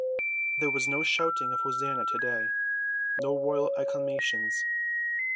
There was no shouting of Hosanna to‐day, no royal acclamations.